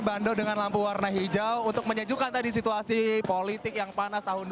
bando dengan lampu warna hijau untuk menyejukkan tadi situasi politik yang panas tahun dua ribu dua puluh